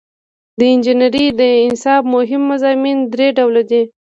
د انجنیری د نصاب مهم مضامین درې ډوله دي.